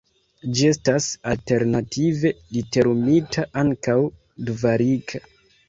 Ĝi estas alternative literumita ankaŭ Dvarika.